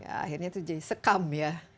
akhirnya itu sekam ya